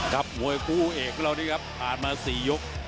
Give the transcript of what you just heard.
กับบวยผู้เอกเหล่าดี้การตามมาสี่ยก